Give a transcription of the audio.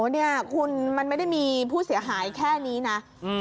เนี่ยคุณมันไม่ได้มีผู้เสียหายแค่นี้นะ